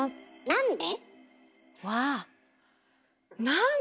なんで？